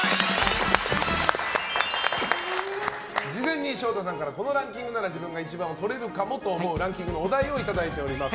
事前に昇太さんからこのランキングなら自分が１番を取れるかもと思うランキングのお題をいただいております。